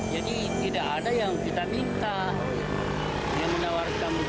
jadi tidak ada yang kita minta yang menawarkan begitu